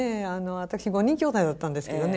私５人きょうだいだったんですけどね